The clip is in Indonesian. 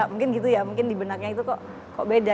mungkin gitu ya mungkin di benaknya itu kok beda